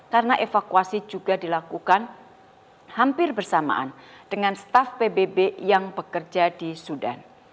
karena evakuasi juga dilakukan hampir bersamaan dengan staf pbb yang bekerja di sudan